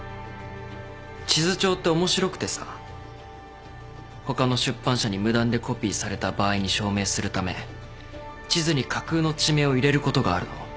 地図帳って面白くてさ他の出版社に無断でコピーされた場合に証明するため地図に架空の地名を入れることがあるの。